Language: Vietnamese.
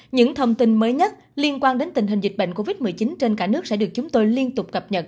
những thông tin mới nhất liên quan đến tình hình dịch bệnh covid một mươi chín trên cả nước sẽ được chúng tôi liên tục cập nhật